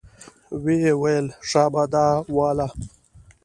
ويې ويل شابه دا واله.